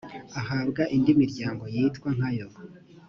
uhabwa indi miryango yitwa nkayo